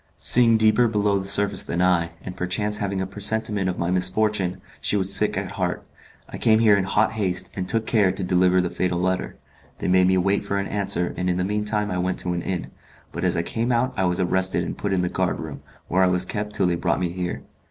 Seeing deeper below the surface than I, and perchance having a presentiment of my misfortune, she was sick at heart. I came here in hot haste, and took care to deliver the fatal letter. They made me wait for an answer, and in the mean time I went to an inn; but as I came out I was arrested and put in the guard room, where I was kept till they brought me here.